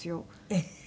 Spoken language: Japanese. えっ。